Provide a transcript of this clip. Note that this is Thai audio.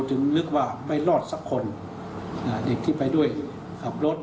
นึกว่าไม่รอดสักคนอ่าเด็กที่ไปด้วยขับรถ